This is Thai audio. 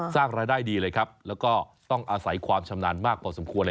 สร้างรายได้ดีเลยครับแล้วก็ต้องอาศัยความชำนาญมากพอสมควร